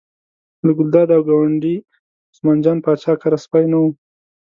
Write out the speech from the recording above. له ګلداد او ګاونډي عثمان جان پاچا کره سپی نه و.